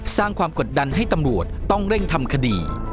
สร้างความกดดันให้ตำรวจต้องเร่งทำคดี